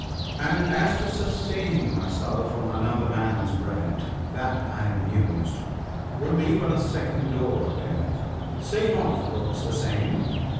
" And as to sustaining myself on another man's bread, that/' I mused, " would be but a second door of death. Say not the books the same?